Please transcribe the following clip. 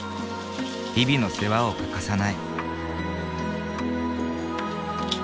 日々の世話を欠かさない。